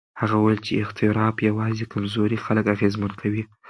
هغه وویل چې اضطراب یوازې کمزوري خلک اغېزمن کوي.